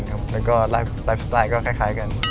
กรุ๊บวนกิจกล้ายกัน